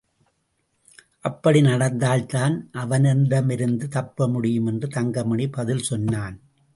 அப்படி நடித்தால்தான் அவனிடமிருந்து தப்ப முடியும் என்று தங்கமணி பதில் சொன்னான்.